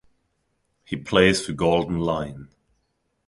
He plays for Golden Lion.